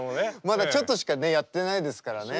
まだちょっとしかねやってないですからね。